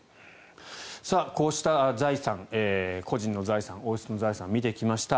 こうした財産、個人の財産王室の財産を見てきました。